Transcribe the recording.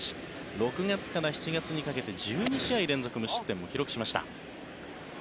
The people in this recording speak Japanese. ６月から７月にかけて１２試合連続無失点も記録しました。